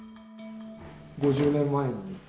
５０年前に？